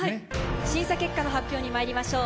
審査結果の発表にまいりましょう。